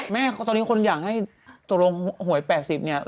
แม่ตอนนี้คนอยากให้ตกลงหวย๘๐เนี่ย